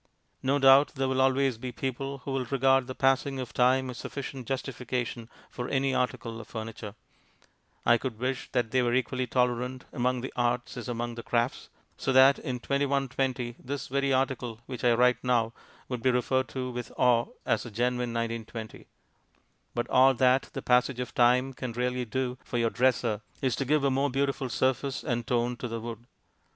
No doubt there will always be people who will regard the passing of time as sufficient justification for any article of furniture; I could wish that they were equally tolerant among the arts as among the crafts, so that in 2120 this very article which I write now could be referred to with awe as a genuine 1920; but all that the passage of time can really do for your dresser is to give a more beautiful surface and tone to the wood.